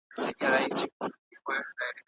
فکري تنوع تر فکري جمود غوره ده.